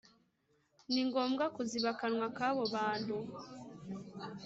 Ni ngombwa kuziba akanwa k abo bantu